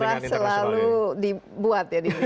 sejarah selalu dibuat